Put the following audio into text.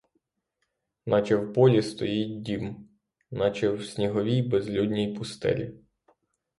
Наче в полі стоїть дім, наче в сніговій безлюдній пустелі.